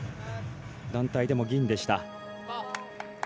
団体でも銀でした。